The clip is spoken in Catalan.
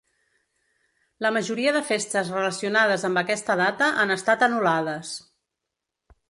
La majoria de festes relacionades amb aquesta data han estat anul·lades.